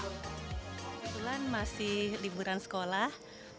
kebetulan masih liburan sekolah